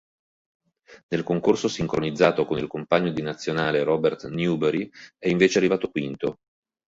Nel concorso sincronizzato, con il compagno di nazionale Robert Newbery, è invece arrivato quinto.